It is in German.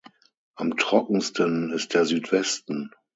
Am trockensten ist der Südwesten.